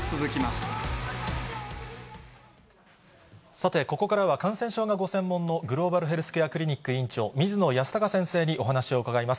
さて、ここからは感染症がご専門のグローバルヘルスケアクリニック院長、水野泰孝先生にお話を伺います。